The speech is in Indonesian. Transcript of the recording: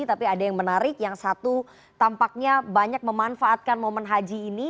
tapi ada yang menarik yang satu tampaknya banyak memanfaatkan momen haji ini